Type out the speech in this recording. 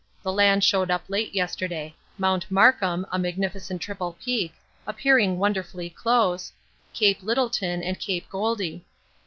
The land showed up late yesterday; Mount Markham, a magnificent triple peak, appearing wonderfully close, Cape Lyttelton and Cape Goldie.